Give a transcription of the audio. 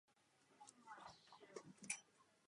Území rybníka je chráněno jako významný krajinný prvek.